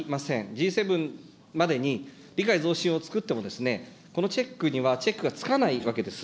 Ｇ７までに理解増進法をつくっても、このチェックにはチェックがつかないわけです。